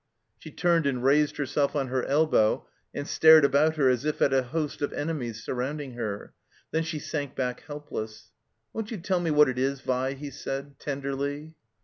She turned and raised herself on her elbow and stared about her as if at a host of enemies surround ing her, then she sank back helpless. "Won't you tell me what it is, Vi?" he said, tenderly.